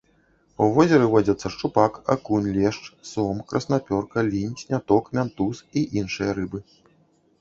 У возеры водзяцца шчупак, акунь, лешч, сом, краснапёрка, лінь, сняток, мянтуз і іншыя рыбы.